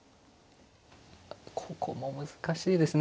ここも難しいですね。